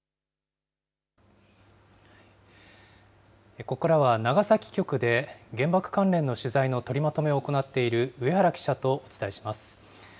ここからは長崎局で、原爆関連の取材の取りまとめを行っている上原記者とお伝えします。